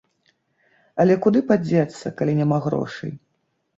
Але куды падзецца, калі няма грошай?